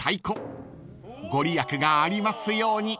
［御利益がありますように］